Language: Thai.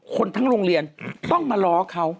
คนทั้งโรงเรียนต้องมาล้อเขา